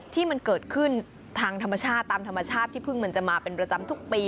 ที่มันเกิดขึ้นทางธรรมชาติตามธรรมชาติที่เพิ่งมันจะมาเป็นประจำทุกปี